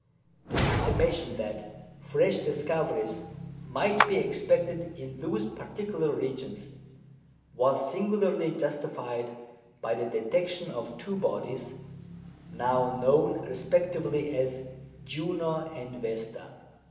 The intimation that fresh discoveries might be expected in those particular regions was singularly justified by the detection of two bodies now known respectively as Juno and Vesta.